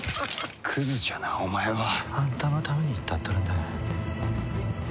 クズじゃなお前は。あんたのために言ったっとるんだがや。